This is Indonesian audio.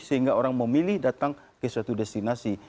sehingga orang memilih datang ke suatu destinasi